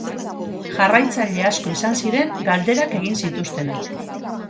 Jarraitzaile asko izan ziren galderak egin zituztenak.